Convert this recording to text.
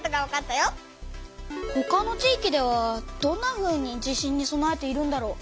ほかの地域ではどんなふうに地震にそなえているんだろう？